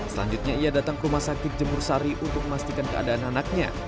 selanjutnya ia datang ke rumah sakit jemur sari untuk memastikan keadaan anaknya